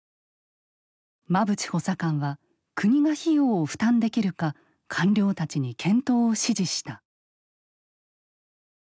馬淵補佐官は国が費用を負担できるか官僚たちに検討を指示した。